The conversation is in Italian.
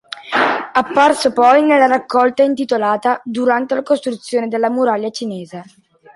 Apparso poi nella raccolta intitolata "Durante la costruzione della muraglia cinese".